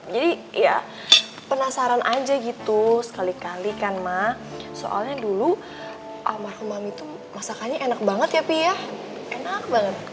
jadi ya penasaran aja gitu sekali kali kan ma soalnya dulu almarhum mami tuh masakannya enak banget ya pi ya enak banget